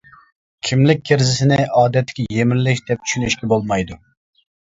كىملىك كىرىزىسىنى ئادەتتىكى يىمىرىلىش دەپ چۈشىنىشكە بولمايدۇ.